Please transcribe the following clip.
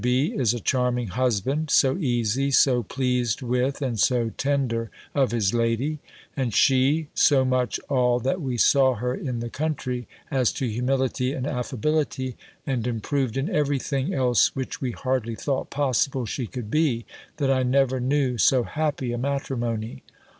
B. is a charming husband; so easy, so pleased with, and so tender of his lady: and she so much all that we saw her in the country, as to humility and affability, and improved in every thing else which we hardly thought possible she could be that I never knew so happy a matrimony.